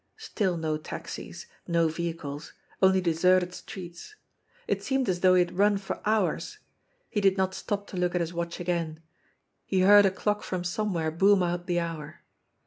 Still no taxis, no vehicles only de serted streets. It seemed as though he had run for hours. He did not stop to look at his watch again. He heard a clock from somewhere boom out the hour.